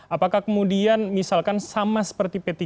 apakah kemudian misalkan sama seperti p tiga